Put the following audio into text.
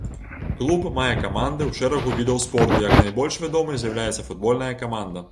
Клуб мае каманды ў шэрагу відаў спорту, як найбольш вядомай з'яўляецца футбольная каманда.